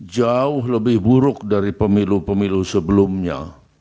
jauh lebih buruk dari pemilu pemilu sebelumnya